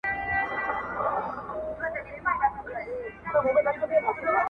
o توپکه مه دي سر سه، مه دي کونه.